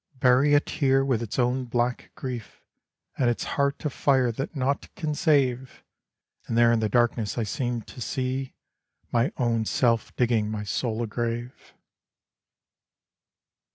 bury it here with its own black grief, And its heart of fire that naught can save!" And there in the darkness I seemed to see My own self digging my soul a grave.